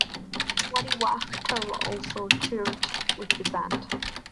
Waddy Wachtel also toured with the band.